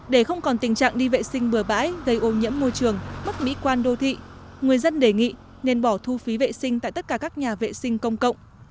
để không còn tình trạng đi vệ sinh bừa bãi gây ô nhiễm môi trường mất mỹ quan đô thị người dân đề nghị nên bỏ thu phí vệ sinh tại tất cả các nhà vệ sinh công cộng